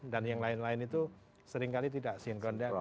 dan yang lain lain itu seringkali tidak sinkron